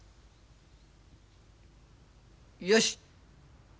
よし！